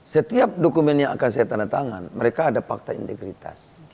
setiap dokumen yang akan saya tanda tangan mereka ada fakta integritas